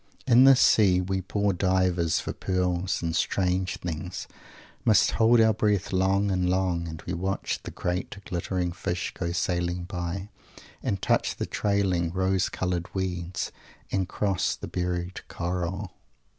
In this sea we poor divers for pearls, and stranger things, must hold our breath long and long, as we watch the great glittering fish go sailing by, and touch the trailing, rose coloured weeds, and cross the buried coral.